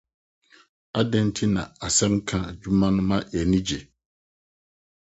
Adɛn nti na asɛnka adwuma no ma yɛn ani gye?